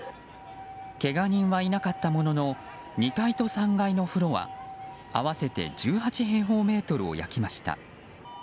けが人はいなかったものの２階と３階のフロア合わせて１８平方メートルを焼きました。